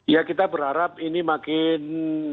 ya kita berharap ini makin